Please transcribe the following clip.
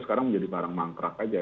sekarang menjadi barang mangkrak aja